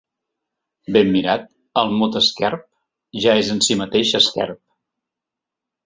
Ben mirat, el mot esquerp ja és en si mateix esquerp.